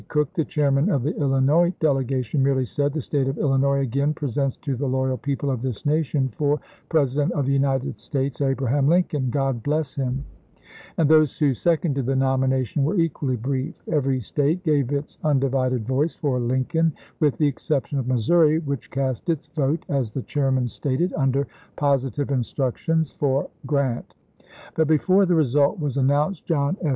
Cook, the chairman of the Illinois delegation, merely said, " The State of Illinois again presents to the loyal people of this nation, for 72 ABRAHAM LINCOLN chap. hi. President of the United States, Abraham Lincoln — God bless him ! 9 and those who seconded the June s, 1864. nomination were equally brief. Every State gave its undivided voice for Lincoln, with the exception of Missouri, which cast its vote, as the chairman stated, under positive instructions, for Grant. But before the result was announced John F.